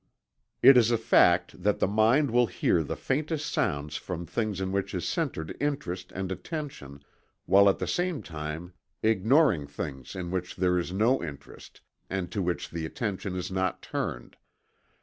It is a fact that the mind will hear the faintest sounds from things in which is centered interest and attention, while at the same time ignoring things in which there is no interest and to which the attention is not turned.